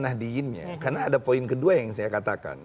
nah karena ada poin kedua yang saya katakan